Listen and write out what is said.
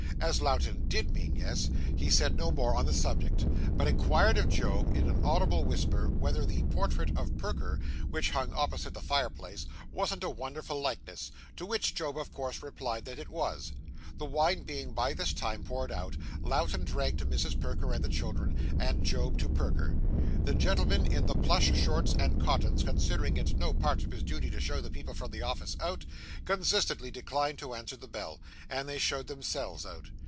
As Lowten _did _mean yes, he said no more on the subject, but inquired of Job, in an audible whisper, whether the portrait of Perker, which hung opposite the fireplace, wasn't a wonderful likeness, to which Job of course replied that it was. The wine being by this time poured out, Lowten drank to Mrs. Perker and the children, and Job to Perker. The gentleman in the plush shorts and cottons considering it no part of his duty to show the people from the office out, consistently declined to answer the bell, and they showed themselves out.